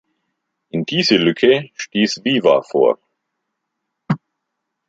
In diese Lücke stieß Viva vor.